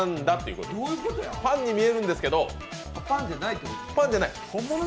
パンに見えるんですけど、パンじゃない。